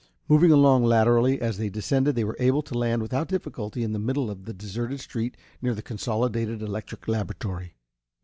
Moving along laterally, as they descended, they were able to land without difficulty in the middle of a deserted street near the Consolidated Electric laboratory.